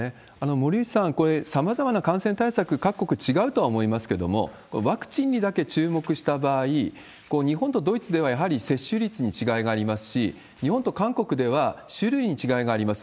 森内さん、これ、さまざまな感染対策、各国違うと思いますけれども、ワクチンにだけ注目した場合、日本とドイツではやはり接種率に違いがありますし、日本と韓国では種類に違いがあります。